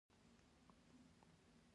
متلونه د ولسي ادب مهم توکي دي